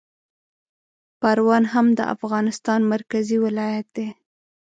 پروان هم د افغانستان مرکزي ولایت دی